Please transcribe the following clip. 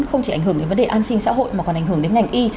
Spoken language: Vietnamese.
không chỉ ảnh hưởng đến vấn đề an sinh xã hội mà còn ảnh hưởng đến ngành y